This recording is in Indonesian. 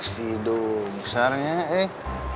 sido besarnya eh